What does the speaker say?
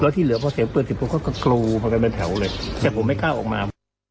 แล้วที่เหลือพอเสียงปืนเสียงปืนก็กลูมากันไปแถวเลยแต่ผมไม่กล้าออกมา